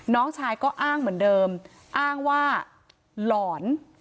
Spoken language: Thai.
น้องชายก็อ้างเหมือนเดิมอ้างว่าหลอน